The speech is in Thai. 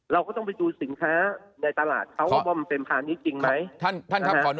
เราก็ต้องไปดูสินค้าในตลาดเขาว่ามันเป็นพาณิชย์จริงไหม